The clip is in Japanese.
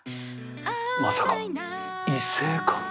まさか異性化？